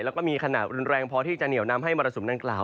แล้วก็มีขนาดรุนแรงพอที่จะเหนียวนำให้มรสุมดังกล่าว